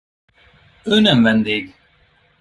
Ő nem vendég.